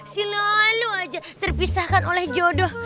selalu aja terpisahkan oleh jodoh